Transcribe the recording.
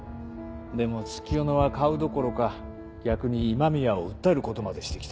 でも月夜野は買うどころか逆に今宮を訴えることまでしてきた。